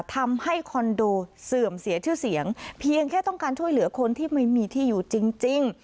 คอนโดเสื่อมเสียชื่อเสียงเพียงแค่ต้องการช่วยเหลือคนที่ไม่มีที่อยู่จริง